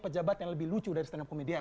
pejabatnya lebih lucu dari stand up komedian